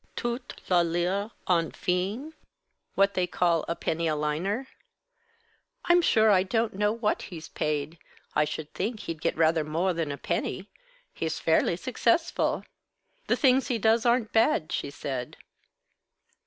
"Toute la lyre enfin? What they call a penny a liner?" "I'm sure I don't know what he's paid. I should think he'd get rather more than a penny. He's fairly successful. The things he does aren't bad," she said.